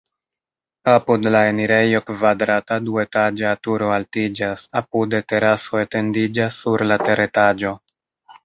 Apud la enirejo kvadrata duetaĝa turo altiĝas, apude teraso etendiĝas sur la teretaĝo.